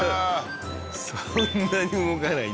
そんなに動かないんだ。